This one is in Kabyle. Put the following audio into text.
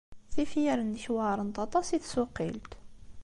Tifyar-nnek weɛṛent aṭas i tsuqilt.